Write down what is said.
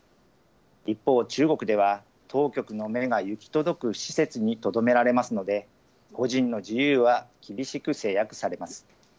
一方、中国では当局の目が行き届く施設にとどめられますので、個人の自由は厳しく制約されます。